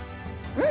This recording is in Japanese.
うん。